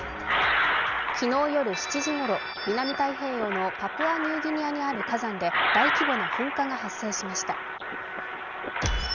昨日夜７時ごろ、南太平洋のパプアニューギニアにある火山で大規模な噴火が発生しました。